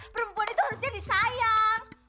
perempuan itu harusnya disayang